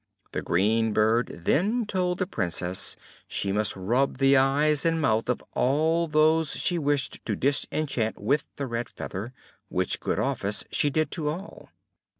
The green bird then told the Princess she must rub the eyes and mouth of all those she wished to disenchant with the red feather, which good office she did to all.